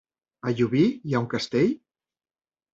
A Llubí hi ha un castell?